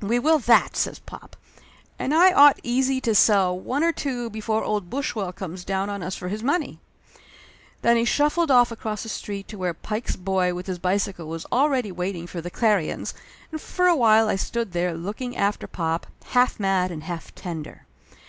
"We will that!" says pop. "And I ought easy to sell one or two before old Bush well comes down on us for his money !" Then he shuffled off across the street to where Pike's boy with his bicycle was already waiting for the Clarions, and for a while I stood there looking after pop, half mad and half tender.